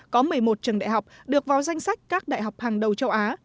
có một mươi một trường đại học được vào danh sách các đại học hàng đầu châu á